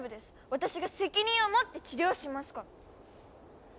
私が責任を持って治療しますから。